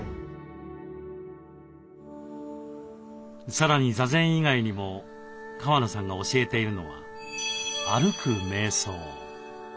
さらに座禅以外にも川野さんが教えているのは「歩くめい想」。